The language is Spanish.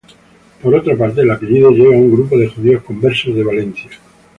Por otra parte el apellido llega a un grupo de judíos conversos de Valencia.